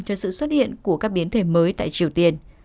cho sự xuất hiện của các biến thể mới tại triều tiên